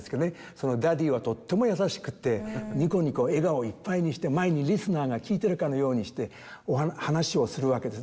そのダディーはとっても優しくってニコニコ笑顔いっぱいにして前にリスナーが聴いてるかのようにして話をするわけです。